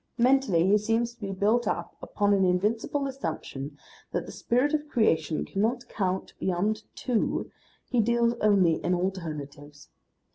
Mentally he seems to be built up upon an invincible assumption that the Spirit of Creation cannot count beyond two, he deals only in alternatives.